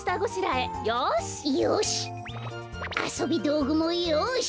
あそびどうぐもよし！